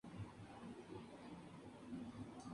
Los originales se conservan en el Museo del Louvre.